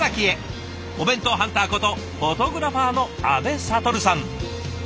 お弁当ハンターことフォトグラファーの阿部了さん。